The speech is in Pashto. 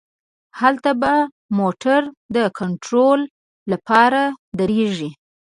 هلته به موټر د کنترول له پاره دریږي.